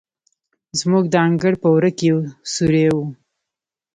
زموږ د انګړ په وره کې یو سورى و.